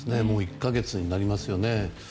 もう１か月になりますよね。